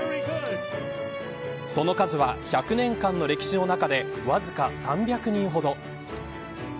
その数は１００年間の歴史の中でわずか３００人ほど。